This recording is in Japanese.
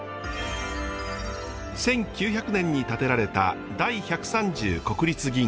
１９００年に建てられた第百三十国立銀行。